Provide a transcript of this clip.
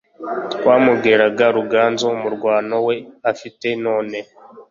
Twamugeraga Ruganzu Umurwano we afite none,